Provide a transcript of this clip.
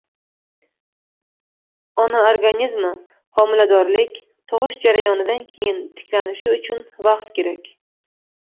Ona organizmi homiladorlik, tug‘ish jarayonidan keyin tiklanishi uchun vaqt kerak.